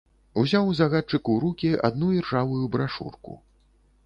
Узяў загадчык у рукі адну іржавую брашурку.